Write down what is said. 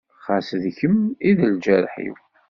Xas d kem i d lǧerḥ-iw.